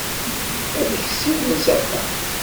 Ad ak-d-siwlen s axxam.